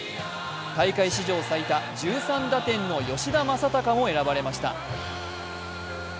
大会史上最多１３打点の吉田正尚も選ばれました。